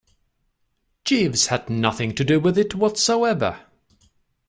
Jeeves had nothing to do with it whatsoever.